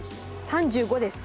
３５です。